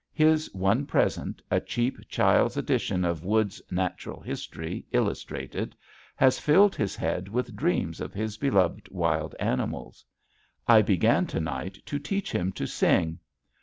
His one present, a cheap child's edition of Wood's "Natural History," illustrated, has filled his head with dreams of his beloved wild animals. I began to night to teach him to sing.